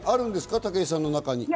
武井さんの中に。